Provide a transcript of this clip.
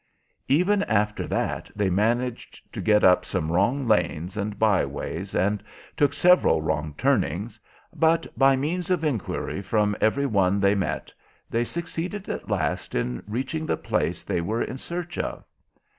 Even after that they managed to get up some wrong lanes and byways, and took several wrong turnings; but by means of inquiry from every one they met, they succeeded at last in reaching the place they were in search of.